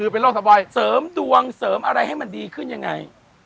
เป็นโรคสบายเสริมดวงเสริมอะไรให้มันดีขึ้นยังไง